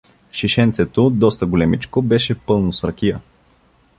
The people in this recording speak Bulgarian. Шишенцето, доста големичко, беше пълно с ракия.